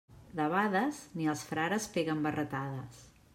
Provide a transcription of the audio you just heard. Debades, ni els frares peguen barretades.